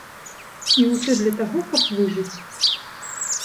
І ўсё для таго, каб выжыць.